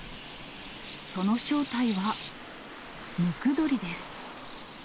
その正体はムクドリです。